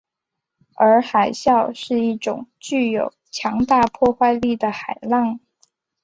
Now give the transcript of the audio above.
而海啸是一种具有强大破坏力的海浪。